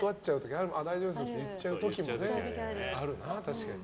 あ、大丈夫ですって言っちゃう時あるな、確かに。